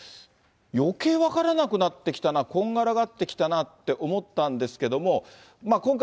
よけい分からなくなってきたな、こんがらがってきたなって思ったんですけども、今回、